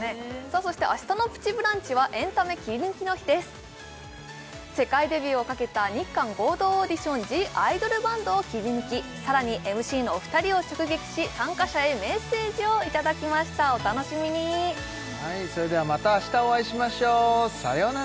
そして明日の「プチブランチ」はエンタメキリヌキの日です世界デビューをかけた日韓合同オーディションＴＨＥＩＤＯＬＢＡＮＤをキリヌキさらにＭＣのお二人を直撃し参加者へメッセージをいただきましたお楽しみにそれではまた明日お会いしましょうさよなら